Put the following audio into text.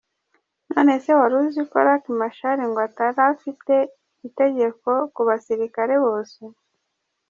None se, wari uzi ko Luc Marchal ngo atari agifite itegeko ku basilikare bose ?